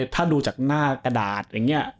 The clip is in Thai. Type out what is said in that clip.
ถ้าดูจากหน้ากระดาษอย่างนี้